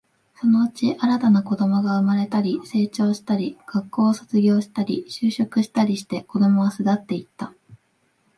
そのうち、新たな子供が生まれたり、成長したり、学校を卒業したり、就職したりして、子供は巣立っていった